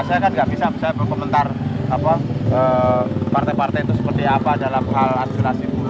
saya kan nggak bisa saya berkomentar partai partai itu seperti apa dalam hal aspirasi buruh